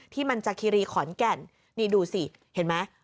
ที่มันจากคิรีขอนแก่นนี่ดูสิเห็นไหม